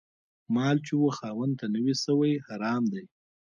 مال چي و خاوند ته نه وي سوی، حرام دی